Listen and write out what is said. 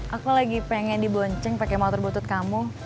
aku lagi pengen dibonceng pakai motor botut kamu